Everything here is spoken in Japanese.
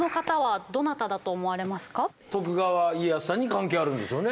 徳川家康さんに関係あるんでしょうね。